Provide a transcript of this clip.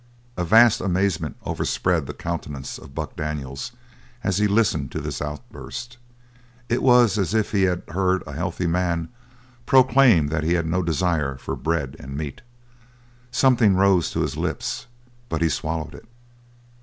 A vast amazement overspread the countenance of Buck Daniels as he listened to this outburst; it was as if he had heard a healthy man proclaim that he had no desire for bread and meat. Something rose to his lips, but he swallowed it.